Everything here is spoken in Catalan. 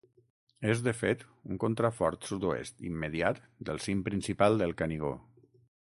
És de fet un contrafort sud-oest immediat del cim principal del Canigó.